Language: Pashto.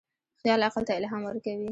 خیال عقل ته الهام ورکوي.